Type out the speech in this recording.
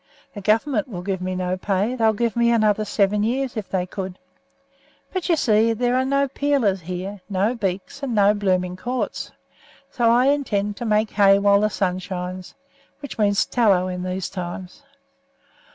The Government will give me no pay; they'd give me another seven years if they could. But you see, there are no peelers here, no beaks, and no blooming courts, so I intend to make hay while the sun shines, which means tallow in these times.